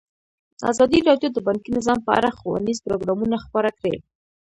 ازادي راډیو د بانکي نظام په اړه ښوونیز پروګرامونه خپاره کړي.